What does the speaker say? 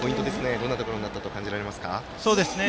どんなところにあったと感じられますか？